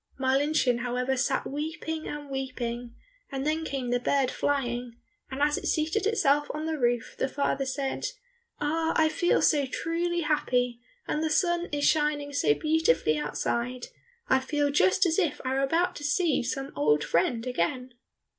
Marlinchen, however, sat weeping and weeping, and then came the bird flying, and as it seated itself on the roof the father said, "Ah, I feel so truly happy, and the sun is shining so beautifully outside, I feel just as if I were about to see some old friend again."